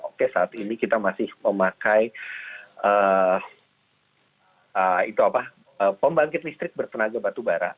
oke saat ini kita masih memakai pembangkit listrik bertenaga batubara